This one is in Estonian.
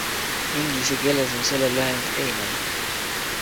Inglise keeles on selle lühend ANAL.